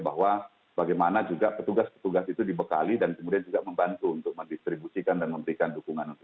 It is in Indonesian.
bahwa bagaimana juga petugas petugas itu dibekali dan kemudian juga membantu untuk mendistribusikan dan memberikan dukungan